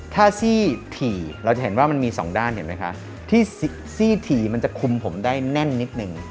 ถ้าซี่ถี่เราจะเห็นว่ามันมีสองด้านเห็นไหมคะที่ซี่ถี่มันจะคุมผมได้แน่นนิดนึง